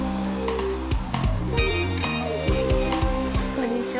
こんにちは。